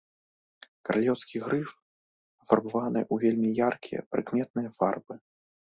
Каралеўскія грыф пафарбаваны ў вельмі яркія, прыкметныя фарбы.